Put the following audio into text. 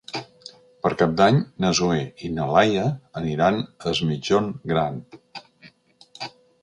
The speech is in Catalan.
Per Cap d'Any na Zoè i na Laia aniran a Es Migjorn Gran.